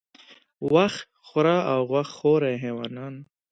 وښ خوره او غوښ خوره حیوانان